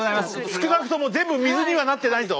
少なくとも全部水にはなってないぞ。